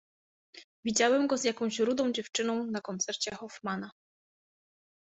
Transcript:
Widziałem go z jakąś rudą dziewczyną na koncercie Hoffmana.